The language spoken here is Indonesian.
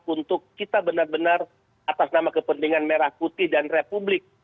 untuk kita benar benar atas nama kepentingan merah putih dan republik